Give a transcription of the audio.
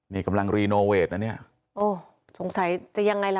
นี่กำลังน่ะเนี้ยโอ้สงสัยจะยังไงล่ะ